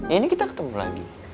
ini kita ketemu lagi